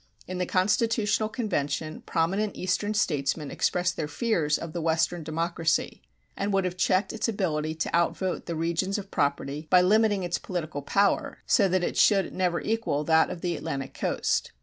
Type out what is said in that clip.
In the Constitutional Convention prominent Eastern statesmen expressed their fears of the Western democracy and would have checked its ability to out vote the regions of property by limiting its political power, so that it should never equal that of the Atlantic coast.